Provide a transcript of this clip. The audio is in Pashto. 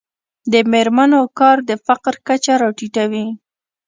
د میرمنو کار د فقر کچه راټیټوي.